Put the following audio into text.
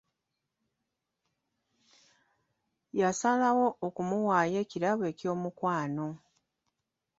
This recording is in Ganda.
Yasalawo okumuwaayo ekirabo eky'omukwano.